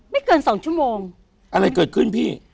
เกินสองชั่วโมงอะไรเกิดขึ้นพี่